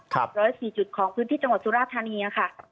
ร้อยสี่จุดของพื้นที่จังหวัดสุราธานีค่ะ